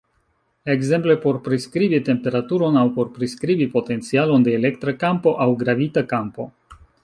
Ekzemple por priskribi temperaturon, aŭ por priskribi potencialon de elektra kampo aŭ gravita kampo.